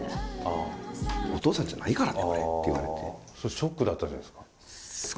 ショックだったんじゃないっすか？